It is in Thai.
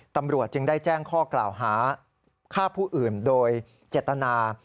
ตำรวจจึงได้แจ้งข้อกล่าวหาฆ่าผู้อื่นโดยเจตนา